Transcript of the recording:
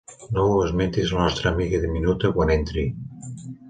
No ho esmentis a la nostra amiga diminuta quan entri.